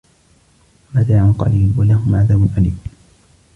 مَتَاعٌ قَلِيلٌ وَلَهُمْ عَذَابٌ أَلِيمٌ